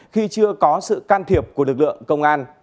khi chưa có sự can thiệp của lực lượng công an